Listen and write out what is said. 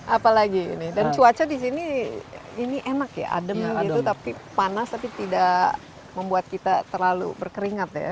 apalagi ini dan cuaca di sini ini enak ya adem gitu tapi panas tapi tidak membuat kita terlalu berkeringat ya